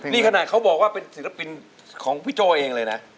นี่ขนาดเขาบอกว่าเป็นศิลปินของพี่โจเองเลยนะ